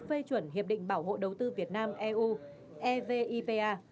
phê chuẩn hiệp định bảo hộ đầu tư việt nam eu evipa